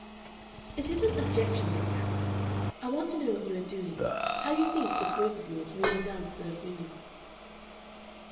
"It isn't objections exactly. I want to know what you are doing; how you think this work of yours really does serve women."